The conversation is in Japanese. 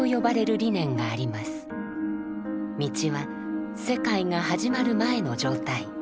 「道」は世界が始まる前の状態。